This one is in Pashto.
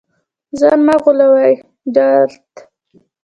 ځان مه غولوې ډارت